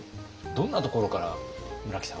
どんなところから村木さんは？